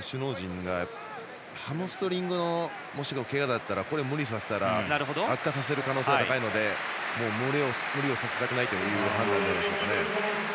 首脳陣がもしハムストリングのけがなら無理させたら悪化させる可能性が高いので無理をさせたくないという判断でしょうね。